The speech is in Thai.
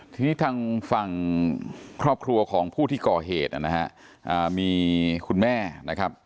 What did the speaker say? ทีนี้ทางฝั่งครอบครัวของผู้ที่ก่อเหตุนะฮะมีคุณแม่นะครับ